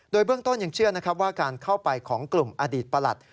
โดยเบื้องต้นยังเชื่อนะครับว่าการเข้าไปของกลุ่มอดีตประหลัด